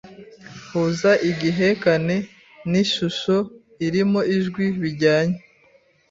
Huza igihekane n’ishusho irimo ijwi bijyanye